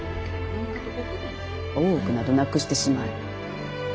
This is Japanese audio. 大奥などなくしてしまえ。